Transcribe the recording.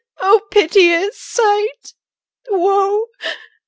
O piteous sight! Woe!